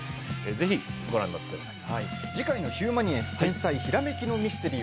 ぜひ、ご覧になってください。